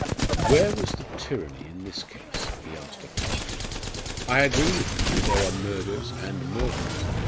"Where was the tyranny in this case?" he asked her quietly. "I agree with you that there are murders and murders.